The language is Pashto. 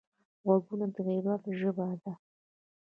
غوږونه د عبرت ژبه ده